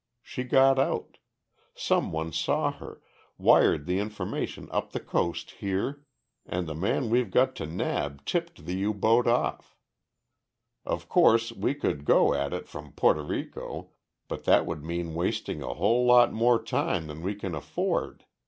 She got out. Some one saw her, wired the information up the coast here and the man we've got to nab tipped the U boat off. "Of course we could go at it from Porto Rico, but that would mean wasting a whole lot more time than we can afford.